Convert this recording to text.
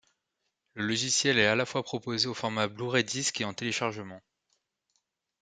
Le logiciel est à la fois proposé au format Blu-ray Disc et en téléchargement.